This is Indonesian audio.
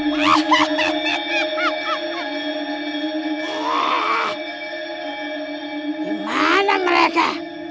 berani beraninya kabur dari saya